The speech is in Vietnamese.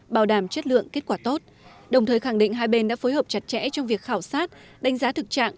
bảo đảm chất lượng kết quả tốt đồng thời khẳng định hai bên đã phối hợp chặt chẽ trong việc khảo sát đánh giá thực trạng